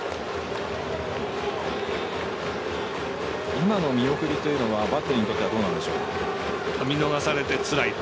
今の見送りというのはバッテリーにとっては見逃されてつらい。